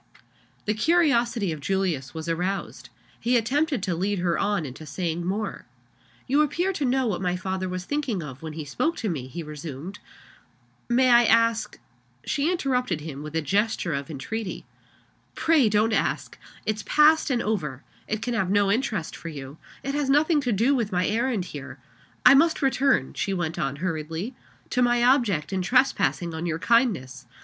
The curiosity of Julius was aroused. He attempted to lead her on into saying more. "You appear to know what my father was thinking of when he spoke to me," he resumed. "May I ask " She interrupted him with a gesture of entreaty. "Pray don't ask! It's past and over it can have no interest for you it has nothing to do with my errand here. I must return," she went on, hurriedly, "to my object in trespassing on your kindness.